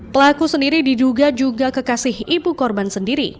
pelaku sendiri diduga juga kekasih ibu korban sendiri